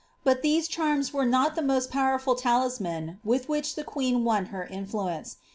Bill these charms were not ihe most powerful lalisroans with *lueh the queen won her influence.